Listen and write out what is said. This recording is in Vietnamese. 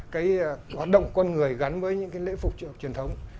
cái hoạt động con người gắn với những cái lễ phục trường truyền thống